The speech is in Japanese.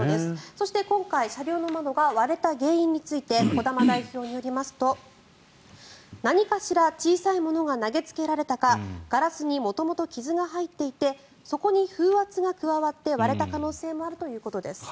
そして、今回車両の窓が割れた原因について児玉代表によりますと何かしら小さいものが投げつけられたかガラスに元々傷が入っていてそこに風圧が加わって割れた可能性もあるということです。